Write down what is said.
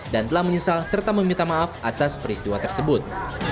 dan telah menyesal serta meminta maaf atas peristiwa tersebut